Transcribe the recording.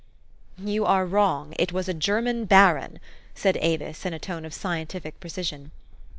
" You are wrong : it was a German baron," said Avis in a tone of scientific precision.